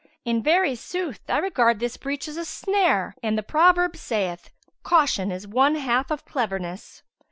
In very sooth I regard this breach as a snare and the proverb saith, 'Caution is one half of cleverness.'